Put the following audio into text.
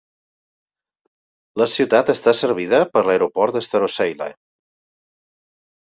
La ciutat està servida per l'aeroport de Staroselye.